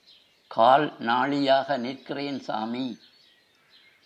கால் நாழியாக நிற்கிறேன் சாமி!